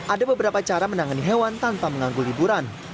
ada beberapa cara menangani hewan tanpa menganggul liburan